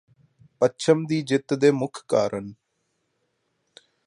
ਪੱਛਮ ਦੀ ਜਿੱਤ ਦੇ ਮੁੱਖ ਕਾਰਨ